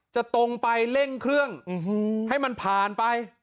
จะตรงไปเร่งเครื่องอื้อฮูให้มันผ่านไป